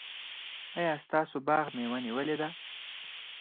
ایا ستاسو باغ مېوه نیولې ده؟